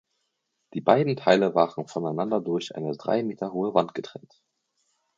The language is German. Die beiden Teile waren voneinander durch eine drei Meter hohe Wand getrennt.